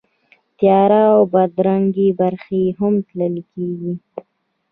تیاره او بدرنګې برخې یې هم تلل کېږي.